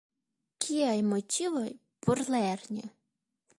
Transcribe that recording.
Kiaj motivoj por lerni?